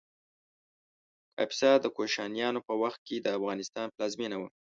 کاپیسا د کوشانیانو په وخت کې د افغانستان پلازمېنه وه